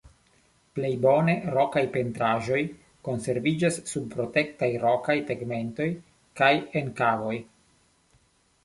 Plej bone rokaj pentraĵoj konserviĝas sub protektaj rokaj tegmentoj kaj en kavoj.